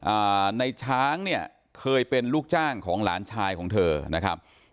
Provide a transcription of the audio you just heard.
อ่าในช้างเนี่ยเคยเป็นลูกจ้างของหลานชายของเธอนะครับ